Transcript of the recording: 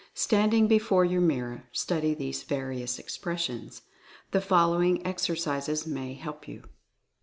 Standing before your mir ror, study these various expressions. The following exercises may help you.